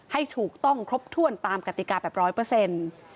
ให้ถูกต้องครบถ้วนตามกติกาแบบร้อยเปอร์เซ็นต์